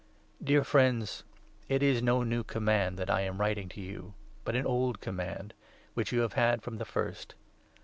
Dear friends, it is no new command that I am writing to 7 you, but an old command, which you have had from the first.